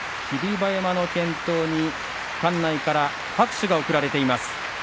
馬山の健闘に館内から大きな拍手が沸いています。